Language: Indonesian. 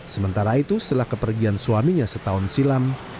sementara itu setelah kepergian suaminya setahun silam